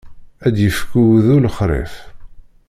Ad d-ifk ugudu lexṛif.